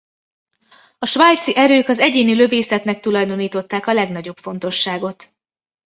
A svájci erők az egyéni lövészetnek tulajdonították a legnagyobb fontosságot.